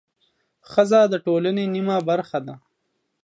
ښځه د ټولنې نیمه برخه ده